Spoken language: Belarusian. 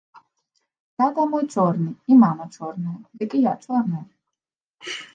Тата мой чорны і мама чорная, дык і я чорная!